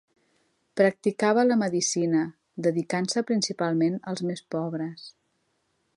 Practicava la medicina, dedicant-se principalment als més pobres.